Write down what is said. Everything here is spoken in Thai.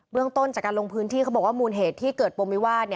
เรื่องต้นจากการลงพื้นที่เขาบอกว่ามูลเหตุที่เกิดปมวิวาส